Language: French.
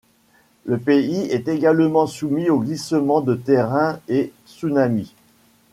Le pays est également soumis aux glissements de terrain et tsunamis.